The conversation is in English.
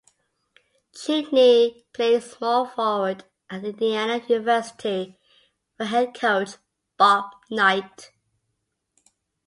Cheaney played small forward at Indiana University for head coach Bob Knight.